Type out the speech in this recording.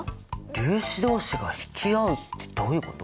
「粒子どうしが引き合う」ってどういうこと？